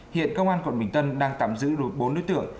hiện công an quận bình tân đang tạm giữ được bốn đối tượng